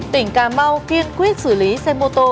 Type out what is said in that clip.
tỉnh cà mau kiên quyết xử lý xe mô tô